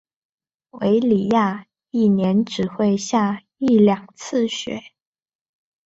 韦里亚一年只会下一两次雪。